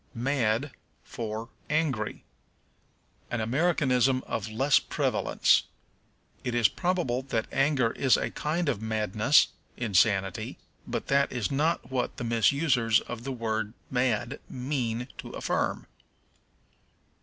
Mad for Angry. An Americanism of lessening prevalence. It is probable that anger is a kind of madness (insanity), but that is not what the misusers of the word mad mean to affirm.